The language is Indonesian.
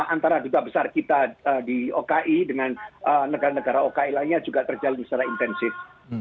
antara duta besar kita di oki dengan negara negara oki lainnya juga terjalin secara intensif